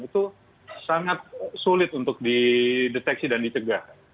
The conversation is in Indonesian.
itu sangat sulit untuk dideteksi dan dicegah